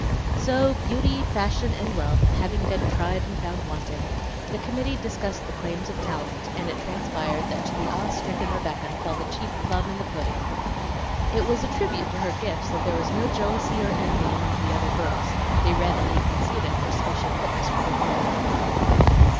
So, beauty, fashion, and wealth having been tried and found wanting, the committee discussed the claims of talent, and it transpired that to the awe stricken Rebecca fell the chief plum in the pudding. It was a tribute to her gifts that there was no jealousy or envy among the other girls; they readily conceded her special fitness for the role.